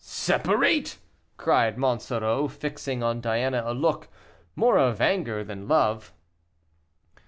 "Separate?" cried Monsoreau, fixing on Diana a look, more of anger than love.